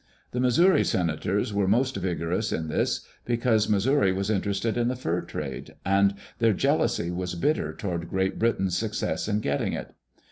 The Missouri senators were most vigorous in this, because Missouri was interested in the fur trade, and their jeal ousy was bitter toward Great Britain's success in getting it.